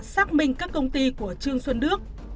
xác minh các công ty của trương xuân đước